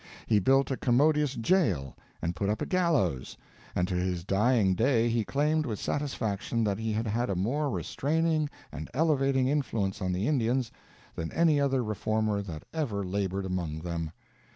He built a commodious jail and put up a gallows, and to his dying day he claimed with satisfaction that he had had a more restraining and elevating influence on the Indians than any other reformer that ever labored among them.